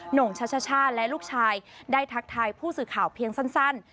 ่งชัชชาและลูกชายได้ทักทายผู้สื่อข่าวเพียงสั้น